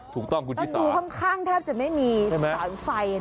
ถูกต้องคุณที่สาวใช่ไหมครับตอนดูข้างแทบจะไม่มีสารไฟ